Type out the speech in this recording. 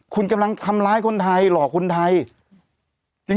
คุณกำลังทำร้ายคนไทยหลอกคนไทย